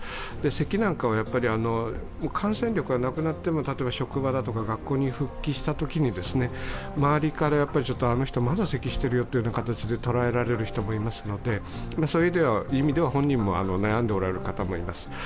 せきなんかは、感染力がなくなっても、例えば職場だとか学校に復帰したときに周りからあの人、まだせきしているという形で捉えられる人もいますのでそういう意味で本人も悩んでおられる方もいます。